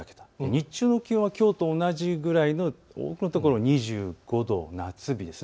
日中の気温はきょうと同じぐらいの、多くの所２５度、夏日です。